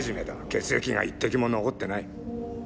血液が一滴も残ってない。